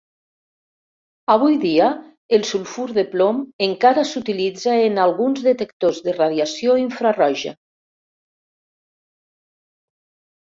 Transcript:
Avui dia el sulfur de plom encara s'utilitza en alguns detectors de radiació infraroja.